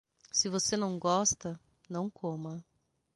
Se você não gosta, não coma.